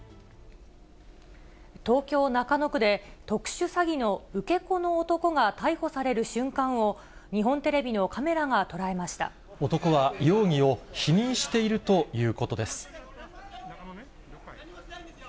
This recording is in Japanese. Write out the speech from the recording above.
東京・中野区で、特殊詐欺の受け子の男が逮捕される瞬間を、日本テレビのカメラが男は容疑を否認しているということです。